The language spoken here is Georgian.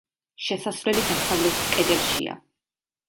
შესასვლელი დასავლეთის კედელშია.